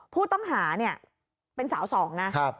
ผู้ต้องหาเนี่ยเป็นสาวสองนะ